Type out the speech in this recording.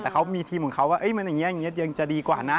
แต่เขามีทีมของเขาว่าอย่างนี้ยังจะดีกว่านะ